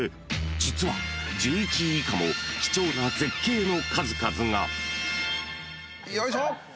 ［実は１１位以下も貴重な絶景の数々が］よいしょ！